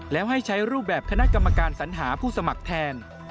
แล้วให้ใช้รูปแบบคณะกรรมการสัญหาผู้สมัครแทน